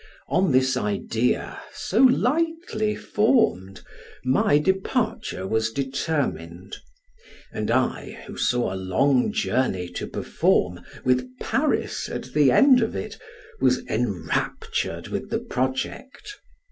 On this idea, so lightly formed, my departure was determined; and I, who saw a long journey to perform with Paris at the end of it, was enraptured with the project.